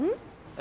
え